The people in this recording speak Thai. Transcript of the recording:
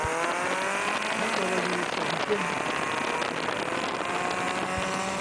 เทคโนโลยีสูงขึ้น